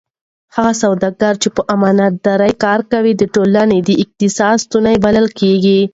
هغه سوداګر چې په امانتدارۍ کار کوي د ټولنې د اقتصاد ستون بلل کېږي.